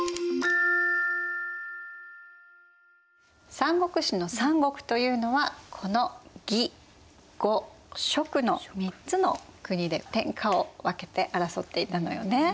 「三国志」の三国というのはこの魏呉蜀の３つの国で天下を分けて争っていたのよね。